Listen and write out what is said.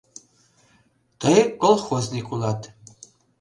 Тый колхозник улат...